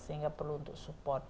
sehingga perlu untuk support